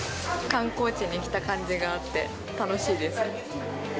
観光地に来た感じがあって、楽しいです。